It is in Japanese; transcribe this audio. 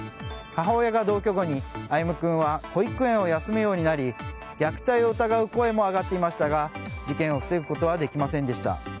母親が同居後に歩夢君は保育園を休むようになり虐待を疑う声も上がっていましたが事件を防ぐことはできませんでした。